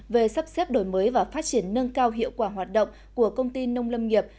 về sắp xếp đổi mới và phát triển nâng cao hiệu quả hoạt động của công ty nông lâm nghiệp